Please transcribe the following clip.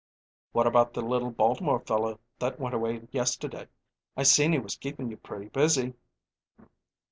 "What about the little Baltimore fellow that went away yesterday? I seen he was keepin' you pretty busy."